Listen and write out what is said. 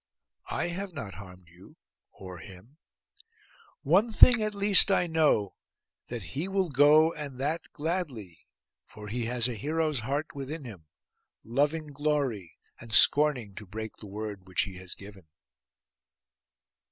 I have not harmed you, or him. One thing at least I know, that he will go, and that gladly; for he has a hero's heart within him, loving glory, and scorning to break the word which he has given.